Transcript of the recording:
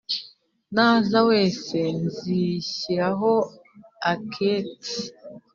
Naza wese nshyizeho akete